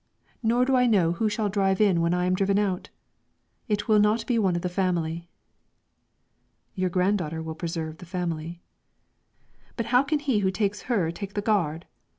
Nor do I know who shall drive in when I am driven out. It will not be one of the family." "Your granddaughter will preserve the family." "But how can he who takes her take the gard?